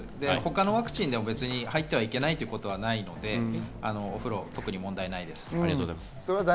他のワクチンでも入っていけないということではないので、特に問題ないです。